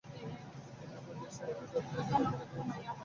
একই দেশের, একই জাতির, একই ধর্মের, একই সমাজের মানুষ বিভক্ত হয়ে যাচ্ছে।